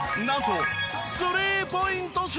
なんとスリーポイント